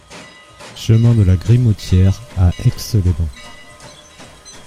Chemin de la Grimotière à Aix-les-Bains